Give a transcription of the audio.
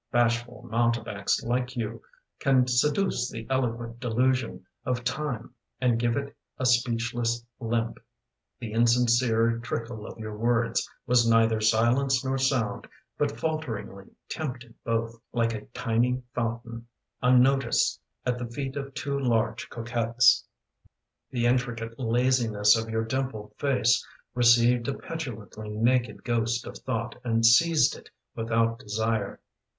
Bashful mountebanks like you Can seduce the eloquent delusion Of time and give it a speechless limp. The insincere trickle of your words Was neither silence nor sound But falteringly tempted both, Like a tiny fountain unnoticed At the feet of two large coquettes The intricate laziness Of your dimpled face Received a petulantly naked Ghost of thought, and seized it without desire.